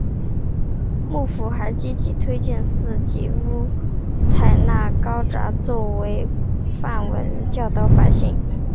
幕府还积极推荐寺子屋采纳高札作为范文教导百姓。